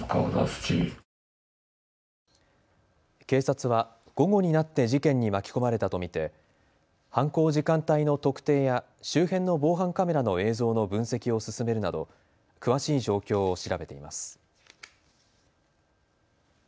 警察は午後になって事件に巻き込まれたと見て犯行時間帯の特定や周辺の防犯カメラの映像の分析を進めるなど詳しい状況を調べています。